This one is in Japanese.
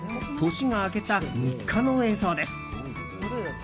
年が明けた３日の映像です。